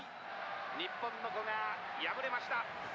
日本の古賀、敗れました。